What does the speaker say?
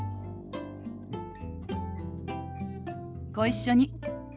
ご一緒に。